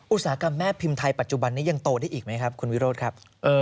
อุตสาหกรรมแม่พิมพ์ไทยปัจจุบันนี้ยังโตได้อีกไหมครับคุณวิโรธครับ